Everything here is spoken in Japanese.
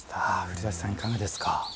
古舘さん、いかがですか？